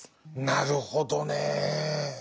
なるほどねぇ。